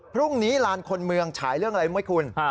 พรุ่งนี้ลานคนเมืองฉายเรื่องอะไรไหมคุณ